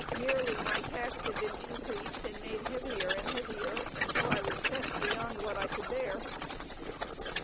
"Yearly my task had been increased and made heavier and heavier, until I was pressed beyond what I could bear."